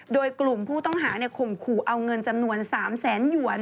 โดยกลุ่มผู้ต้องหาข่มขู่เอาเงินจำนวน๓แสนหยวน